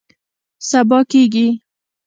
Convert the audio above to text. سبا کیږي